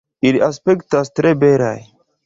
Ili aspektas tre belaj.